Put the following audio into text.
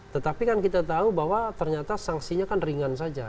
tetapi kan kita tahu bahwa ternyata sanksinya kan ringan saja